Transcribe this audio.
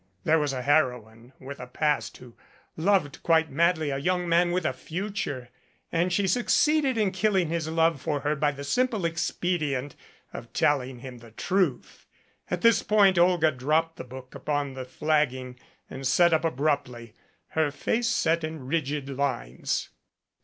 There was a heroine with a past who loved quite madly a young man with a future and she succeeded in killing his love for her by the simple expedient of telling him the 169 MADCAP truth. At this point Olga dropped the book upon the flagging and sat up abruptly, her face set in rigid lines.